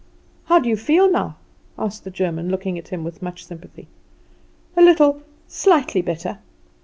"How do you feel now?" asked the German, looking at him with much sympathy. "A little, slightly, better."